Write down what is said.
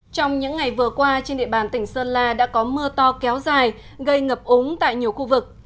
trong những ngày vừa qua trên địa bàn tỉnh sơn la đã có mưa to kéo dài gây ngập úng tại nhiều khu vực